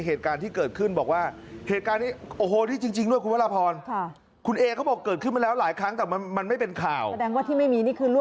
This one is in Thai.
เหตุการณ์ที่เกิดขึ้นบอกว่าเหตุการณ์นี้โอ้โหนี่จริงด้วยคุณพระราพรคุณเอเขาบอกเกิดขึ้นมาแล้วหลายครั้งแต่มันมันไม่เป็นข่าวแสดงว่าที่ไม่มีนี่คือ